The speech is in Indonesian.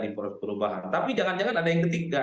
di proses perubahan tapi jangan jangan ada yang ketiga